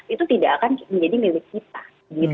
itu tidak akan menjadi milik kita